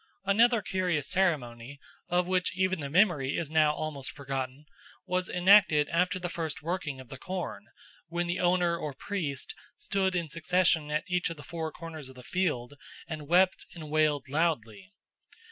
"Another curious ceremony, of which even the memory is now almost forgotten, was enacted after the first working of the corn, when the owner or priest stood in succession at each of the four corners of the field and wept and wailed loudly.